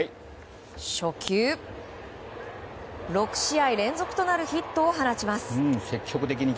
初球、６試合連続となるヒットを放ちます。